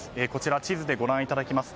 地図でご覧いただきます。